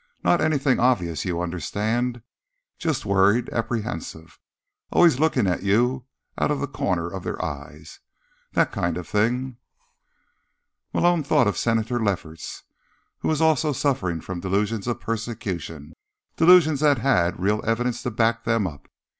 Not anything obvious, you understand. Just worried, apprehensive. Always looking at you out of the corners of their eyes. That kind of thing." Malone thought of Senator Lefferts, who was also suffering from delusions of persecution, delusions that had real evidence to back them up.